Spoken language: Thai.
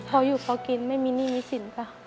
พออยู่พอกินไม่มีหนี้มีสิน